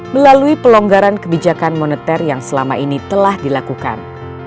melalui pelonggaran kebijakan moneter yang selama ini telah dilakukan